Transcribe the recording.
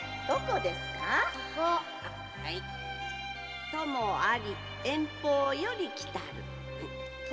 〔「朋あり遠方より来たる」〕